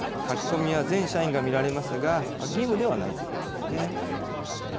書き込みは全社員が見られますが、義務ではないということですね。